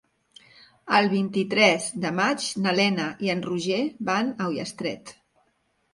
El vint-i-tres de maig na Lena i en Roger van a Ullastret.